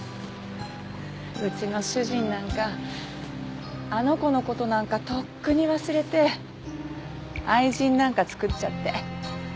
うちの主人なんかあの子の事なんかとっくに忘れて愛人なんか作っちゃって。